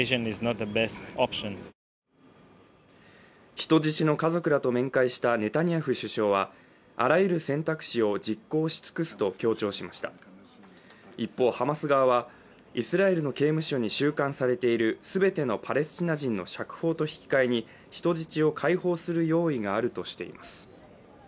人質の家族らと面会したネタニヤフ首相はあらゆる選択肢を実行し尽くすと強調しました一方、ハマス側はイスラエルの刑務所に収監されている全てのパレスチナ人の釈放と引き換えに人質を解放する用意があるとしています。